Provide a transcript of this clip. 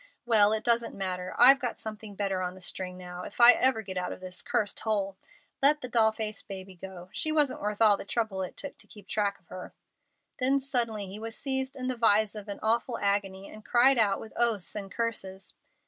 Well, it doesn't matter. I've got something better on the string now, if I ever get out of this cursed hole. Let the doll faced baby go. She wasn't worth all the trouble it took to keep track of her." Then suddenly he was seized in the vise of an awful agony, and cried out with oaths and curses.